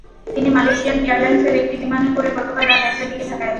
তিনি মালয়েশিয়ান এয়ারলাইনসের একটি বিমানে করে গতকাল রাত একটার দিকে ঢাকায় আসেন।